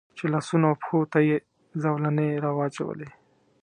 چې لاسونو او پښو ته یې زولنې را واچولې.